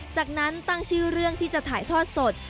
จากนั้นตั้งชื่อเรื่องที่จะถ่ายทอดสด